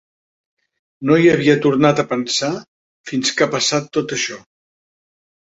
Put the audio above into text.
No hi havia tornat a pensar fins que ha passat tot això.